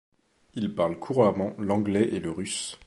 Il parle couramment l'anglais et le russe.